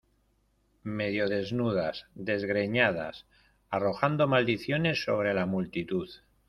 medio desnudas, desgreñadas , arrojando maldiciones sobre la multitud